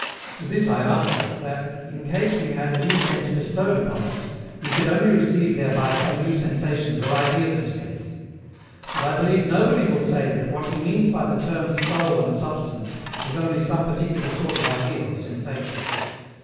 To this I answer, that, in case we had a new sense bestowed upon us, we could only receive thereby some new sensations or ideas of sense. But I believe nobody will say that what he means by the terms soul and substance is only some particular sort of idea or sensation.